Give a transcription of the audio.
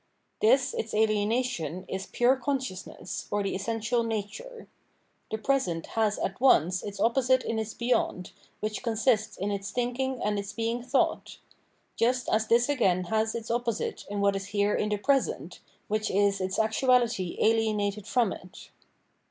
Tins its alienation is pure consciousness, or the essential nature. The present has at once its opposite in its beyond, which consists in its thinking and its being thought; just as this again has its opposite in what is here m the present, which is its actuality alienated from it.